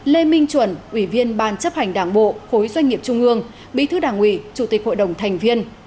lê minh chuẩn ủy viên ban chấp hành đảng bộ khối doanh nghiệp trung ương bí thư đảng ủy chủ tịch hội đồng thành viên